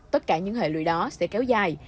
tất cả những hệ lụy đó sẽ kéo dài